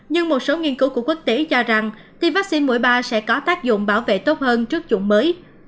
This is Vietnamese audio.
nhưng một số nghiên cứu của quốc tế cho rằng tiêm vaccine mũi ba sẽ có tác dụng bảo vệ tốt hơn trước chủng mới